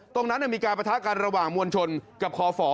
ตรงนั้นมีการประทะกันระหว่างมวลชนกับคอฝ